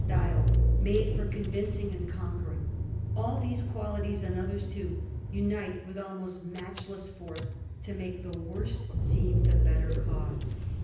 style, made for convincing and conquering — ^all these qualities, and others too, unite with almost matchless force to make the worse seem the better cause.